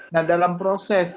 nah dalam proses